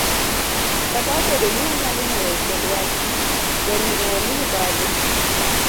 Kata obedo ni wanyalo ng'eyo tiend wachni, ber ng'eyo ni mibadhi